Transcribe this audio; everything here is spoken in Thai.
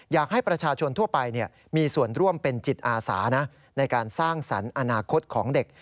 อยากให้ประชาชนทั่วไปมีส่วนร่วมเป็นจิตอาสานะในการสร้างสรรค์อนาคตของเด็ก